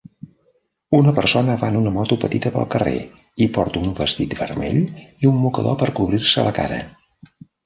Una persona va en una moto petita pel carrer i porta un vestit vermell i un mocador per cobrir-se la cara